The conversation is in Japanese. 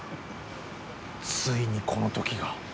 ついにこの時が。